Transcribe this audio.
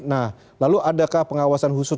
nah lalu adakah pengawasan khusus